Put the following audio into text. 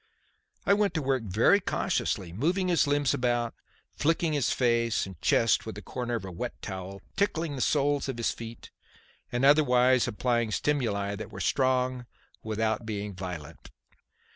I went to work very cautiously, moving his limbs about, flicking his face and chest with the corner of a wet towel, tickling the soles of his feet, and otherwise applying stimuli that were strong without being violent.